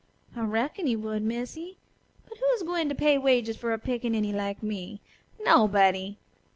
"I reckon he would, Missy. But who's a gwine to pay wages for a pickaninny like me? Nobuddy!